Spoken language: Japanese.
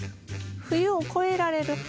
冬を越えられる花。